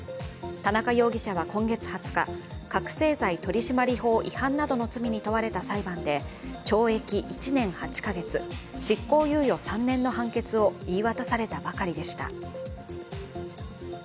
田中容疑者は今月２０日覚醒剤取締法違反などの罪に問われた裁判で、懲役１年８カ月執行猶予３年の判決を言い渡されたばかりでした。